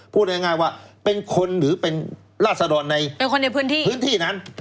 พูดง่ายว่าเป็นคนหรือเป็นราศดรในพื้นที่นั้น